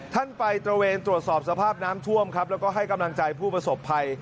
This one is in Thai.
ท่านไปตระเวนตรวจสอบสภาพน้ำท่วมครับแล้วก็ให้กำลังใจผู้ประสบภัย